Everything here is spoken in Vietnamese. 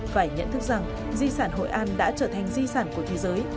phải nhận thức rằng di sản hội an đã trở thành di sản của thế giới